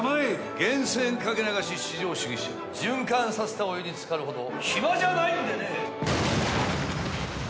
源泉掛け流し至上主義者循環させたお湯につかるほど暇じゃないんでね